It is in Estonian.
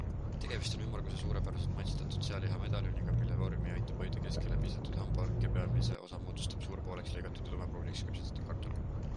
Tegemist on ümmarguse, suurepäraselt maitsestatud sealihamedaljoniga, mille vormi aitab hoida keskele pistetud hambaork ja pealmise osa moodustab suur pooleks lõigatud ja tumepruuniks küpsetatud kartul.